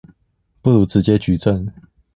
不如直接舉證